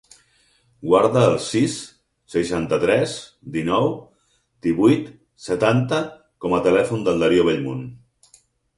Guarda el sis, seixanta-tres, dinou, divuit, setanta com a telèfon del Dario Bellmunt.